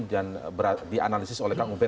dan dianalisis oleh kang ustaz